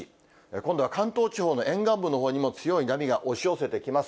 今度は関東地方の沿岸部のほうにも強い波が押し寄せてきます。